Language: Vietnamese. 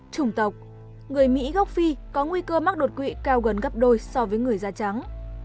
trùng tộc người mỹ gốc phi có nguy cơ mắc đột quỵ cao gần gấp đôi so với người da trắng